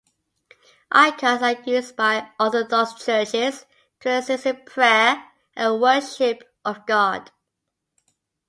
Icons are used by Orthodox Churches to assist in prayer and worship of God.